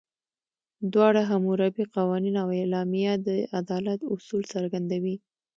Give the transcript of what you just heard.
دواړه، حموربي قوانین او اعلامیه، د عدالت اصول څرګندوي.